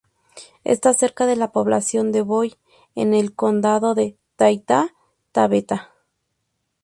Está cerca de la población de Voi, en el condado de Taita-Taveta.